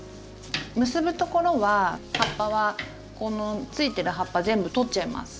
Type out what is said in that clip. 結ぶところは葉っぱはこのついてる葉っぱ全部取っちゃいます。